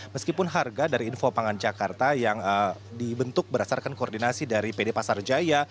meskipun harga dari info pangan jakarta yang dibentuk berdasarkan koordinasi dari pd pasar jaya